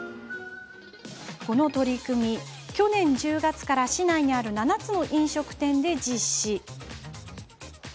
この取り組み、去年１０月から市内にある７つの飲食店で実施。